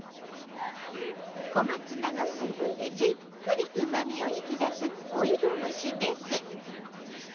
小松菜の水分でじっくりうまみを引き出すオイル蒸しです。